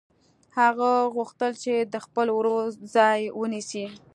هغه غوښتل د خپل ورور ځای ونیسي